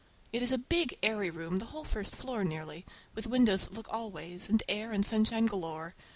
It is a big, airy room, the whole floor nearly, with windows that look all ways, and air and sunshine galore.